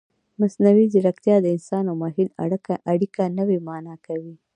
مصنوعي ځیرکتیا د انسان او ماشین اړیکه نوې مانا کوي.